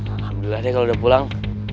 alhamdulillah deh kalau udah pulang